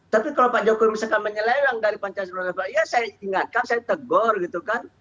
tapi kalau pak jokowi misalkan menyelelang dari pancasila ya saya ingatkan saya tegur gitu kan